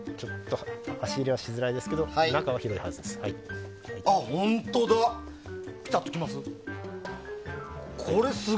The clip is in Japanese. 足入れはしづらいですが中は広いはずです。